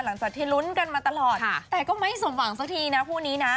หลังจากที่ลุ้นกันมาตลอดแต่ก็ไม่สมหวังสักทีนะคู่นี้นะ